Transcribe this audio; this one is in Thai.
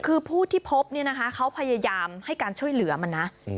คือผู้ที่พบเนี่ยนะคะเขาพยายามให้การช่วยเหลือมันนะ